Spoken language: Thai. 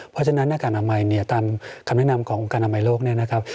เพราะฉะนั้นหน้ากากอนามัยเนี่ยตามคำแนะนำของการอนามัยโลกเนี่ยนะครับ